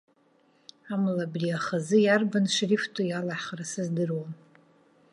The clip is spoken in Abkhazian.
Амала, абри ахазы иарбан шрифту иалаҳхра сыздыруам.